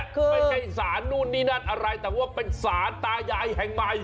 คือไม่ใช่สารนู่นนี่นั่นอะไรแต่ว่าเป็นศาลตายายแห่งใหม่